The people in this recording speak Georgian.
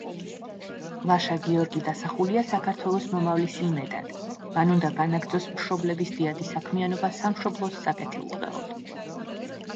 ლაშა-გიორგი დასახულია საქართველოს მომავლის იმედად, მან უნდა განაგრძოს მშობლების დიადი საქმიანობა სამშობლოს საკეთილდღეოდ.